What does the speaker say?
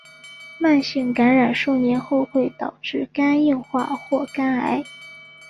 慢性感染数年后会导致肝硬化或肝癌。